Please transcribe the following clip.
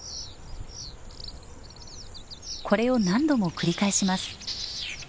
これを何度も繰り返します。